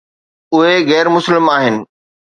اهي غير مسلم آهن.